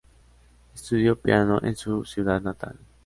Estudió piano en su ciudad natal.